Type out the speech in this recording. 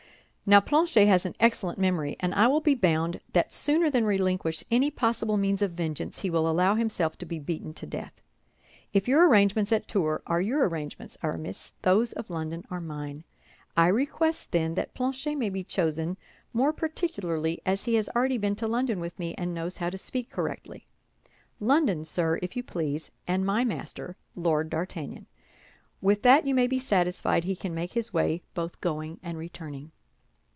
Now, Planchet has an excellent memory; and I will be bound that sooner than relinquish any possible means of vengeance, he will allow himself to be beaten to death. If your arrangements at Tours are your arrangements, Aramis, those of London are mine. I request, then, that Planchet may be chosen, more particularly as he has already been to London with me, and knows how to speak correctly: London, sir, if you please, and my master, Lord D'Artagnan. With that you may be satisfied he can make his way, both going and returning."